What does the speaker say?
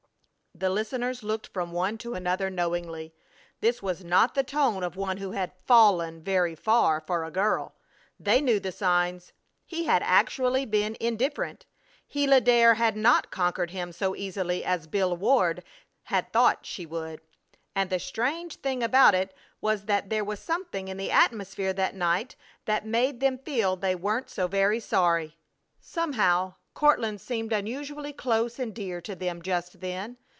The listeners looked from one to the other knowingly. This was not the tone of one who had "fallen" very far for a girl. They knew the signs. He had actually been indifferent! Gila Dare had not conquered him so easily as Bill Ward had thought she would. And the strange thing about it was that there was something in the atmosphere that night that made them feel they weren't so very sorry. Somehow Courtland seemed unusually close and dear to them just then.